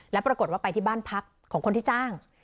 แล้วปรากฏว่าไปที่บ้านพักของคนที่จ้าง